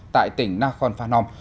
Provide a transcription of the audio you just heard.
tại tỉnh nakhon phanom